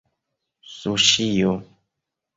suŝio